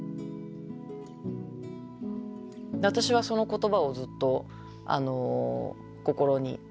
私はその言葉をずっと心に置きながら。